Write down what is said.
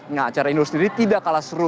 nah acara indoor sendiri tidak kalah seru